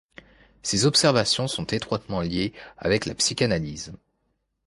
Ces observations sont étroitement liée avec la psychanalyse.